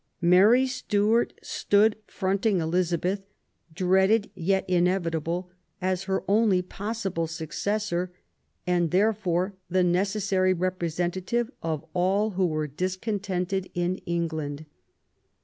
Mary Stuart stood fronting Elizabeth, dreaded yet inevitable, as her only possible successor, and therefore the necessary repre sentative of all who were discontented in England.